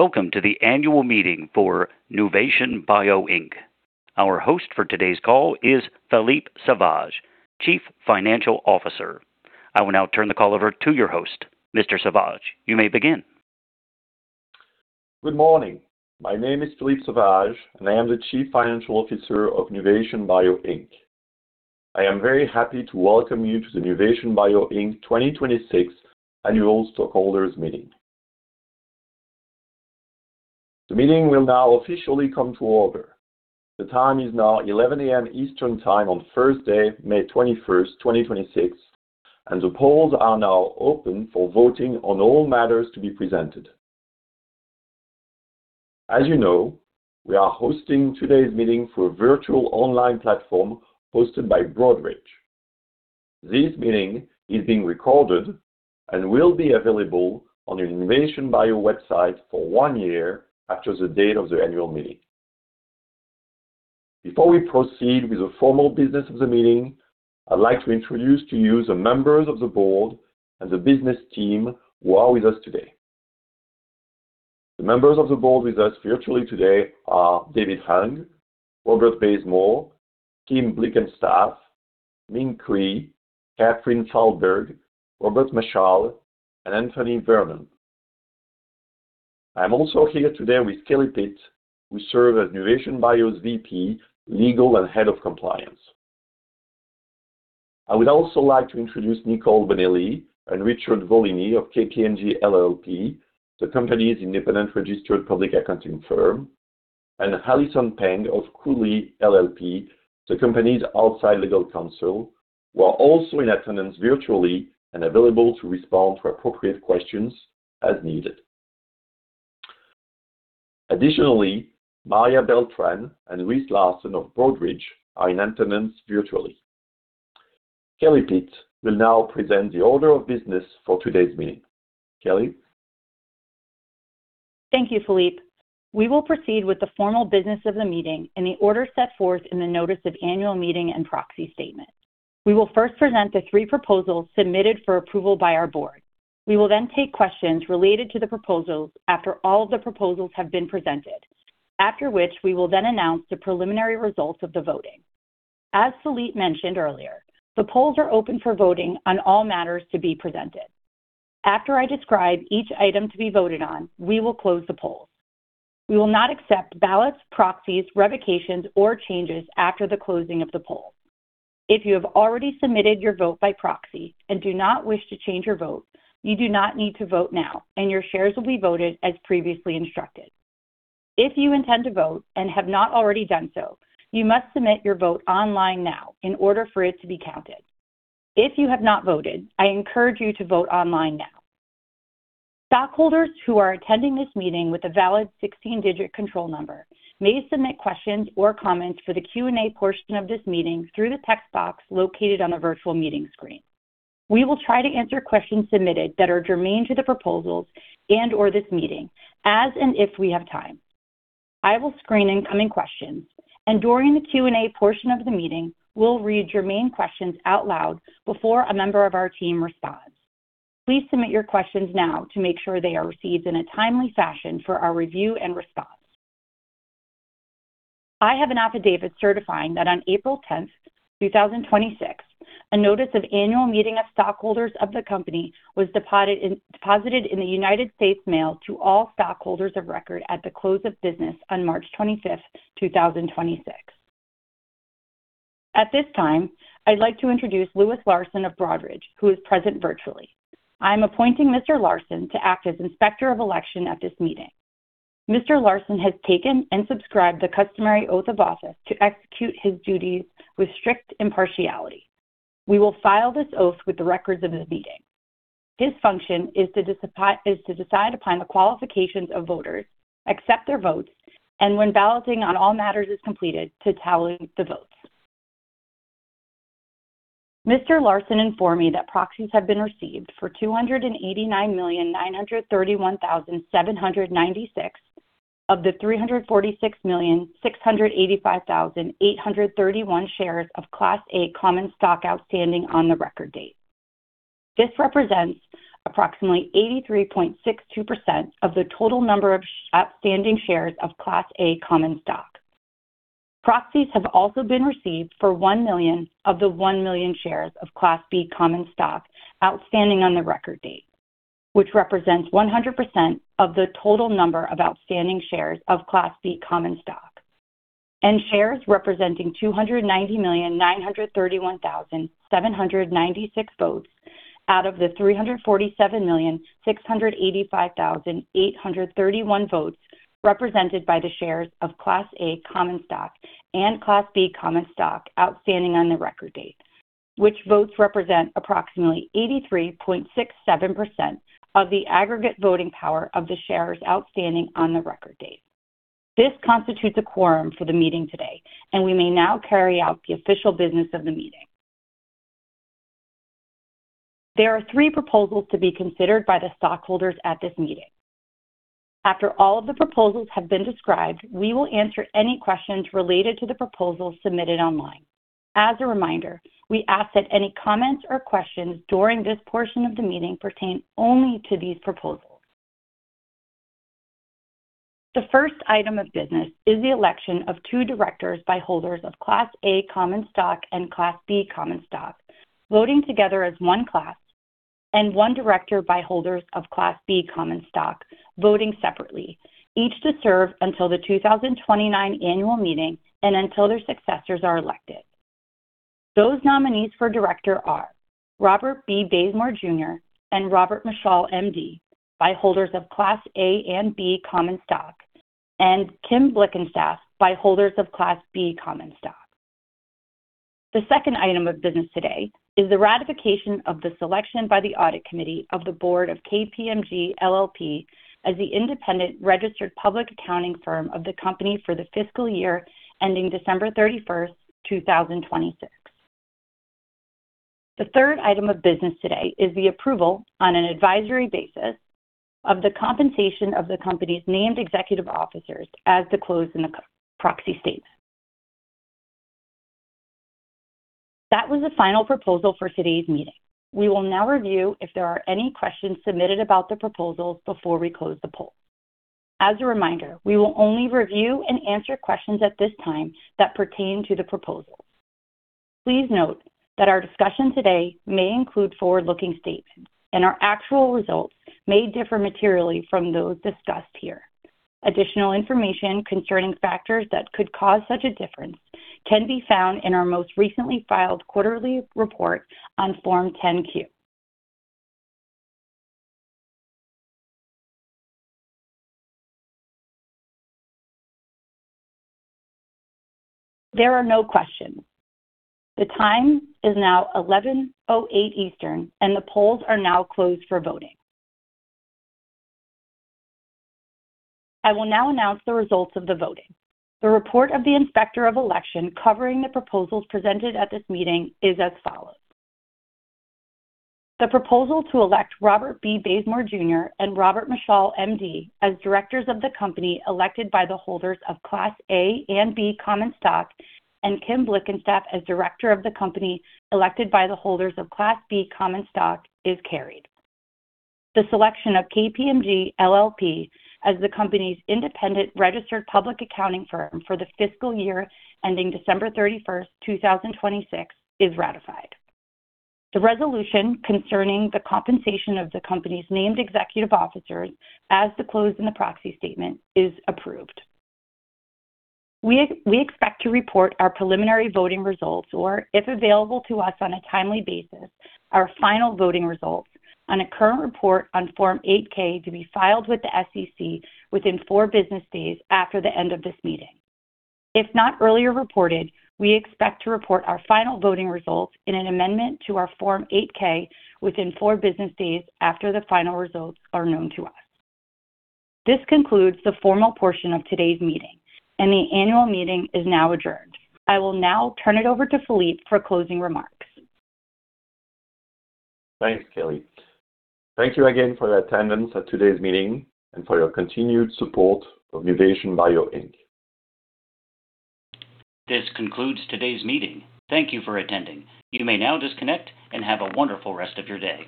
Welcome to the annual meeting for Nuvation Bio, Inc. Our host for today's call is Philippe Sauvage, Chief Financial Officer. I will now turn the call over to your host. Mr. Sauvage, you may begin. Good morning. My name is Philippe Sauvage, and I am the Chief Financial Officer of Nuvation Bio, Inc. I am very happy to welcome you to the Nuvation Bio, Inc. 2026 Annual Stockholders' Meeting. The meeting will now officially come to order. The time is now 11:00 A.M. Eastern Time on Thursday, May 21st, 2026, and the polls are now open for voting on all matters to be presented. As you know, we are hosting today's meeting through a virtual online platform hosted by Broadridge. This meeting is being recorded and will be available on the Nuvation Bio website for one year after the date of the annual meeting. Before we proceed with the formal business of the meeting, I'd like to introduce to you the members of the board and the business team who are with us today. The members of the board with us virtually today are David Hung, Robert Bazemore, Kim Blickenstaff, Min Cui, Kathryn Falberg, Robert Mashal, and Anthony Vernon. I'm also here today with Kelly Pitt, who serves as Nuvation Bio's VP, Legal and Head of Compliance. I would also like to introduce Nicole Bonelli and Richard Volini of KPMG LLP, the company's independent registered public accounting firm, and Allison Pang of Cooley LLP, the company's outside legal counsel, who are also in attendance virtually and available to respond to appropriate questions as needed. Additionally, Maria Beltran and Lewis Larson of Broadridge are in attendance virtually. Kelly Pitt will now present the order of business for today's meeting. Kelly? Thank you, Philippe. We will proceed with the formal business of the meeting in the order set forth in the notice of annual meeting and proxy statement. We will first present the three proposals submitted for approval by our board. We will then take questions related to the proposals after all of the proposals have been presented, after which we will then announce the preliminary results of the voting. As Philippe mentioned earlier, the polls are open for voting on all matters to be presented. After I describe each item to be voted on, we will close the polls. We will not accept ballots, proxies, revocations, or changes after the closing of the polls. If you have already submitted your vote by proxy and do not wish to change your vote, you do not need to vote now, and your shares will be voted as previously instructed. If you intend to vote and have not already done so, you must submit your vote online now in order for it to be counted. If you have not voted, I encourage you to vote online now. Stockholders who are attending this meeting with a valid 16-digit control number may submit questions or comments for the Q&A portion of this meeting through the text box located on the virtual meeting screen. We will try to answer questions submitted that are germane to the proposals and/or this meeting as and if we have time. I will screen incoming questions, and during the Q&A portion of the meeting, will read germane questions out loud before a member of our team responds. Please submit your questions now to make sure they are received in a timely fashion for our review and response. I have an affidavit certifying that on April 10th, 2026, a notice of annual meeting of stockholders of the company was deposited in the United States Mail to all stockholders of record at the close of business on March 25th, 2026. At this time, I'd like to introduce Lewis Larson of Broadridge, who is present virtually. I am appointing Mr. Larson to act as Inspector of Election at this meeting. Mr. Larson has taken and subscribed the customary oath of office to execute his duties with strict impartiality. We will file this oath with the records of this meeting. His function is to decide upon the qualifications of voters, accept their votes, and when balloting on all matters is completed, to tally the votes. Mr. Larson informed me that proxies have been received for 289,931,796 of the 346,685,831 shares of Class A common stock outstanding on the record date. This represents approximately 83.62% of the total number of outstanding shares of Class A common stock. Proxies have also been received for 1 million of the 1 million shares of Class B common stock outstanding on the record date, which represents 100% of the total number of outstanding shares of Class B common stock, and shares representing 290,931,796 votes out of the 347,685,831 votes represented by the shares of Class A common stock and Class B common stock outstanding on the record date, which votes represent approximately 83.67% of the aggregate voting power of the shares outstanding on the record date. This constitutes a quorum for the meeting today, and we may now carry out the official business of the meeting. There are three proposals to be considered by the stockholders at this meeting. After all of the proposals have been described, we will answer any questions related to the proposals submitted online. As a reminder, we ask that any comments or questions during this portion of the meeting pertain only to these proposals. The first item of business is the election of two directors by holders of Class A common stock and Class B common stock, voting together as one class, and one director by holders of Class B common stock, voting separately, each to serve until the 2029 annual meeting and until their successors are elected. Those nominees for director are Robert B. Bazemore Jr. and Robert Mashal, MD, by holders of Class A and B common stock, and Kim Blickenstaff by holders of Class B common stock. The second item of business today is the ratification of the selection by the Audit Committee of the Board of KPMG LLP as the independent registered public accounting firm of the company for the fiscal year ending December 31st, 2026. The third item of business today is the approval on an advisory basis of the compensation of the company's named executive officers as disclosed in the proxy statement. That was the final proposal for today's meeting. We will now review if there are any questions submitted about the proposals before we close the poll. As a reminder, we will only review and answer questions at this time that pertain to the proposals. Please note that our discussion today may include forward-looking statements, and our actual results may differ materially from those discussed here. Additional information concerning factors that could cause such a difference can be found in our most recently filed quarterly report on Form 10-Q. There are no questions. The time is now 11:08 A.M. Eastern, and the polls are now closed for voting. I will now announce the results of the voting. The report of the Inspector of Election covering the proposals presented at this meeting is as follows. The proposal to elect Robert B. Bazemore Jr. and Robert Mashal, MD, as directors of the company elected by the holders of Class A and B common stock, and Kim Blickenstaff as director of the company elected by the holders of Class B common stock, is carried. The selection of KPMG LLP as the company's independent registered public accounting firm for the fiscal year ending December 31st, 2026, is ratified. The resolution concerning the compensation of the company's named executive officers, as disclosed in the proxy statement, is approved. We expect to report our preliminary voting results, or, if available to us on a timely basis, our final voting results on a current report on Form 8-K to be filed with the SEC within four business days after the end of this meeting. If not earlier reported, we expect to report our final voting results in an amendment to our Form 8-K within four business days after the final results are known to us. This concludes the formal portion of today's meeting and the annual meeting is now adjourned. I will now turn it over to Philippe for closing remarks. Thanks, Kelly. Thank you again for your attendance at today's meeting and for your continued support of Nuvation Bio, Inc. This concludes today's meeting. Thank you for attending. You may now disconnect and have a wonderful rest of your day.